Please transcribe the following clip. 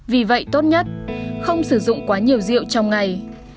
vì vậy tốt nhất không sử dụng quá nhiều rượu trong ngày